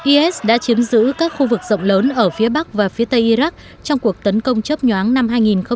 is đã chiếm giữ các khu vực rộng lớn ở phía bắc và phía tây iraq trong cuộc tấn công chấp nhoáng năm hai nghìn một mươi